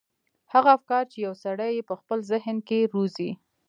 هغه افکار چې يو سړی يې په خپل ذهن کې روزي.